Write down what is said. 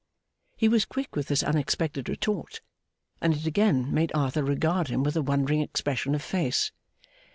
He was quick with this unexpected retort, and it again made Arthur regard him with a wondering expression of face.